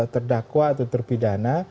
terdakwa atau terpidana